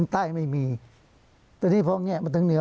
พอแยกไปบนทางเหนือ